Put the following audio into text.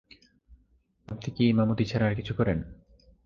আপনি কি ইমামতি ছাড়া আর কিছু করেন?